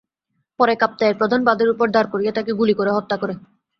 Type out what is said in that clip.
পরে কাপ্তাইয়ের প্রধান বাঁধের ওপর দাঁড় করিয়ে তাঁকে গুলি করে হত্যা করে।